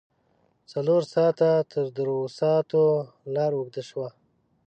څلور ساعته تر دروساتو لار اوږده شوه.